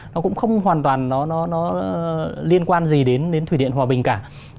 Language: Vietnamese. nó cũng không hoàn toàn nó liên quan gì đến thủy điện hòa bình cả